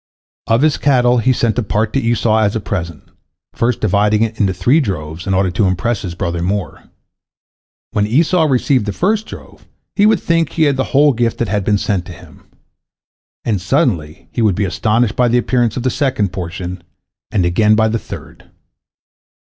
Of his cattle he sent a part to Esau as a present, first dividing it into three droves in order to impress his brother more. When Esau received the first drove, he would think he had the whole gift that had been sent to him, and suddenly he would be astonished by the appearance of the second portion, and again by the third.